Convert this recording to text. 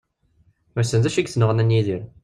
Wissen d acu i yesnuɣnan Yidir?